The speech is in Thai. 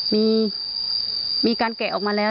มีการแกะออกมาแล้ว